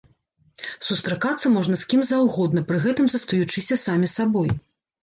Сустракацца можна з кім заўгодна, пры гэтым застаючыся самі сабой.